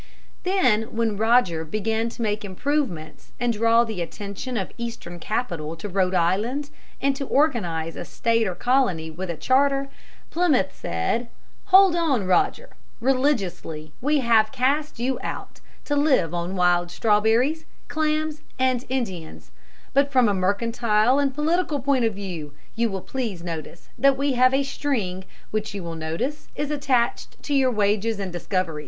Then when Roger began to make improvements and draw the attention of Eastern capital to Rhode Island and to organize a State or Colony with a charter, Plymouth said, "Hold on, Roger: religiously we have cast you out, to live on wild strawberries, clams, and Indians, but from a mercantile and political point of view you will please notice that we have a string which you will notice is attached to your wages and discoveries."